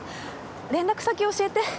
連絡先教えて。